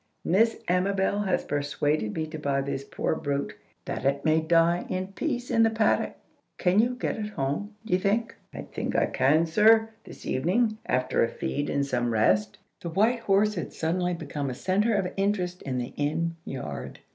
"Miss Amabel has persuaded me to buy this poor brute, that it may die in peace in the paddock. Can you get it home, d'ye think?" "I think I can, sir, this evening; after a feed and some rest." The white horse had suddenly become a centre of interest in the inn yard.